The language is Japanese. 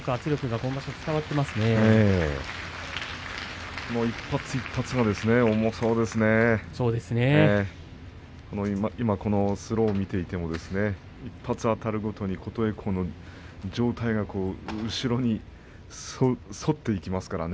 今、スローを見ていても１発あてるごとに琴恵光の上体が後ろに反っていきますからね。